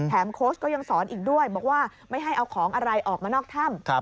โค้ชก็ยังสอนอีกด้วยบอกว่าไม่ให้เอาของอะไรออกมานอกถ้ำ